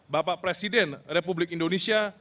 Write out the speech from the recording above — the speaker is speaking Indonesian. bapak presiden republik indonesia